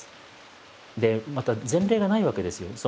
でまた前例がないわけですよ。